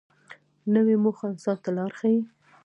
نوې موخه انسان ته لار ښیي